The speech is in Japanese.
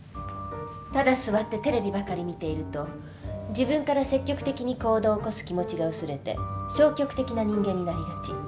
ただ座ってテレビばかり見ていると自分から積極的に行動を起こす気持ちが薄れて消極的な人間になりがち。